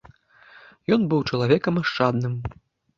Ён быў чалавекам ашчадным.